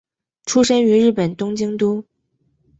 出身于日本东京都。